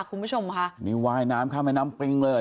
คุณผู้ชมค่ะนี่ว่ายน้ำข้ามแม่น้ำปิงเลย